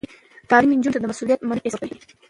تعلیم نجونو ته د مسؤلیت منلو احساس ورکوي.